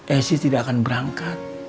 esy tidak akan berangkat